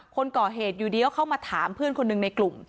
คนก่อเหตุอยู่ดีก็เข้ามาถามเพื่อนคนหนึ่งในกลุ่ม